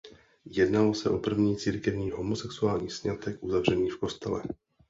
Jednalo se o první církevní homosexuální sňatek uzavřený v kostele.